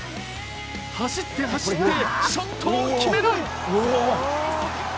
走って走ってショットを決める。